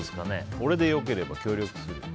俺でよければ協力するよ。